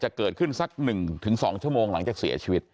เกิดขึ้นสัก๑๒ชั่วโมงหลังจากเสียชีวิต